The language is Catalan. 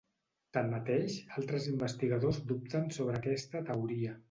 Tanmateix, altres investigadors dubten sobre aquesta teoria.